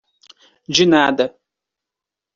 De nada.